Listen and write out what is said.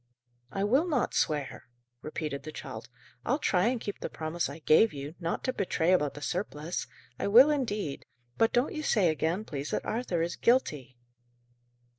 "I will not swear," repeated the child. "I'll try and keep the promise I gave you, not to betray about the surplice I will indeed; but don't you say again, please, that Arthur is guilty."